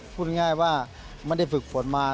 พูดง่ายว่าไม่ได้ฝึกฝนมา